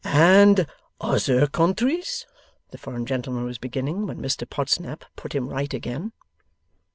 'And ozer countries? ' the foreign gentleman was beginning, when Mr Podsnap put him right again.